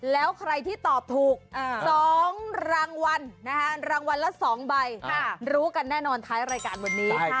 แล้วใครที่ตอบถูก๒รางวัลรางวัลละ๒ใบรู้กันแน่นอนท้ายรายการวันนี้